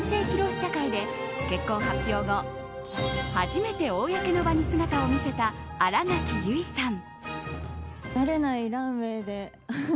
試写会で結婚発表後初めて公の場に姿を見せた新垣結衣さん。